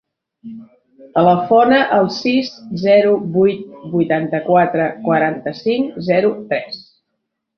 Telefona al sis, zero, vuit, vuitanta-quatre, quaranta-cinc, zero, tres.